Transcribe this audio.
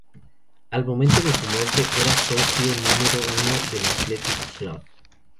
Al momento de su muerte, era socio número uno del Athletic Club.